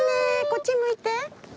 こっち向いて。